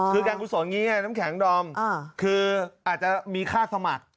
คือการกุศลอย่างนี้ไงน้ำแข็งดอมคืออาจจะมีค่าสมัคร